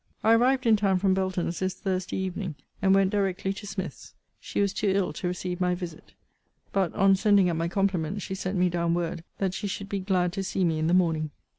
I arrived in town from Belton's this Thursday evening; and went directly to Smith's. She was too ill to receive my visit. But, on sending up my compliments, she sent me down word that she should be glad to see me in the morning.